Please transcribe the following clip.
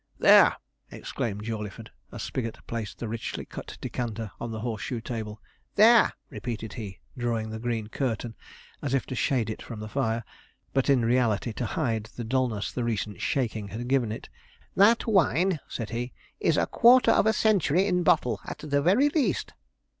"There!" exclaimed Jawleyford, as Spigot placed the richly cut decanter on the horse shoe table. "There!" repeated he, drawing the green curtain as if to shade it from the fire, but in reality to hide the dulness the recent shaking had given it; "that wine," said he, "is a quarter of a century in bottle, at the very least."